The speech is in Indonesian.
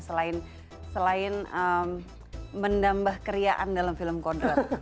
selain menambah keriaan dalam film kodrat